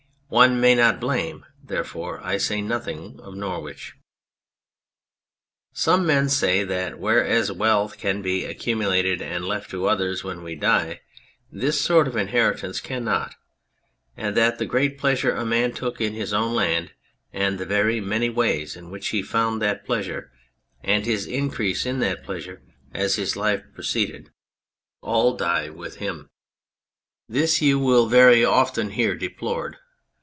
One may not blame : therefore I say nothing of North wich. Some men say that whereas wealth can be accu mulated and left to others when we die, this sort of inheritance can not, and that the great pleasure a man took in his own land and the very many ways in which he found that pleasure and his increase in that pleasure as his life proceeded, all die with him. 255 On Anything This you will very often hear deplored.